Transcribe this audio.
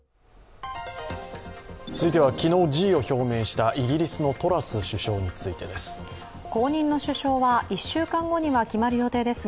続いては、昨日辞意を表明したイギリスのトラス首相についてです。